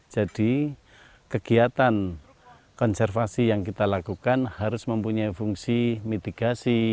jadi kegiatan konservasi yang kita lakukan harus mempunyai fungsi mitigasi